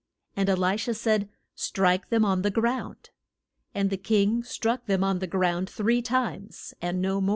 And E li sha said, Strike them on the ground. And the king struck them on the ground three times, and no more.